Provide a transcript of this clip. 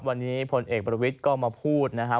วันนี้พลเอกประวิทย์ก็มาพูดนะครับ